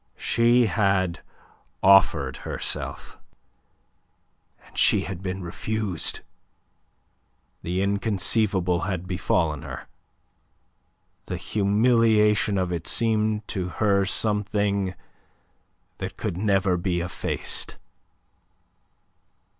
She had offered herself, and she had been refused! The inconceivable had befallen her. The humiliation of it seemed to her something that could never be effaced.